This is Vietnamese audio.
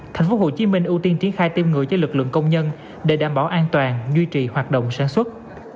tp hcm ưu tiên triển khai tiêm người cho lực lượng công nhân để đảm bảo an toàn duy trì hoạt động sản xuất